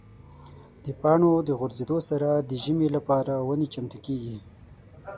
د پاڼو د غورځېدو سره د ژمي لپاره ونې چمتو کېږي.